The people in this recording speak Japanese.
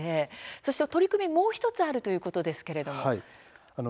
そして取り組み、もう１つあるということですけれども。